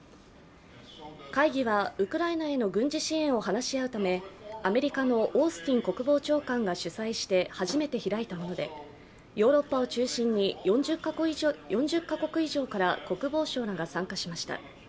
会議は、ウクライナへの軍事支援を話し合うため、アメリカのオースティン国防長官が主催して初めて開いたものでヨーロッパを中心に４０カ国以上から国防相らが参加しました。